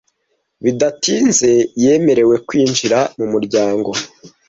Bidatinze yemerewe kwinjira mu muryango.